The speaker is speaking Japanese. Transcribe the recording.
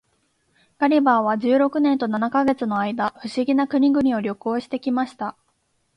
ガリバーは十六年と七ヵ月の間、不思議な国々を旅行して来ました。